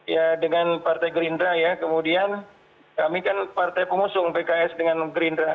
ya dengan partai gerindra ya kemudian kami kan partai pengusung pks dengan gerindra